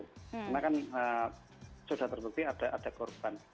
karena kan sudah terbukti ada korban